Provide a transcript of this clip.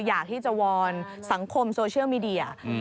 อยากที่จะวอนสังคมโซเชียลมีเดีย